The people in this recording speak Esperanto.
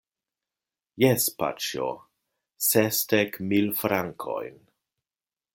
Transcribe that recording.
Jes, paĉjo, sesdek mil frankojn.